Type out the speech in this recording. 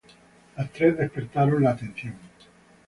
Las tres despertaron la atención.